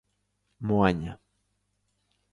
Moaña.